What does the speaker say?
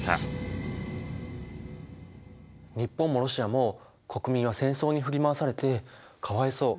日本もロシアも国民は戦争に振り回されてかわいそう。